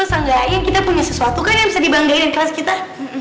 sanggahnya kita punya sesuatu kan yang bisa dibanggain kelas kita